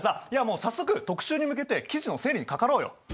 もう早速特集に向けて記事の整理にかかろうよ。